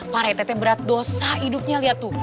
paretete berat dosa hidupnya lihat tuh